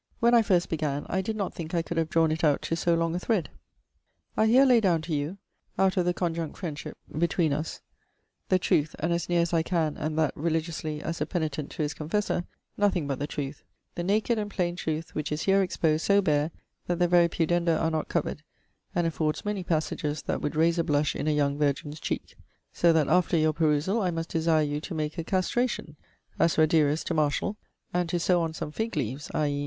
When I first began, I did not thinke I could have drawne it out to so long a thread. I here lay downe to you (out of the conjunct friendship between us) the trueth, and, as neer as I can and that religiously as a poenitent to his confessor, nothing but the trueth: the naked and plaine trueth, which is here exposed so bare that the very pudenda are not covered, and affords many passages that would raise a blush in a young virgin's cheeke. So that after your perusall, I must desire you to make a castration (as Raderus to Martial) and to sowe on some figge leaves i.e.